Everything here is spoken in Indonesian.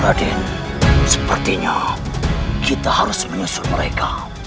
raden sepertinya kita harus menyusun mereka